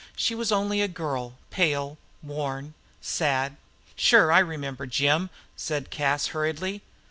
She was only a girl, pale, worn, sad. "Sure, I remember Jim," said Cas, hurriedly.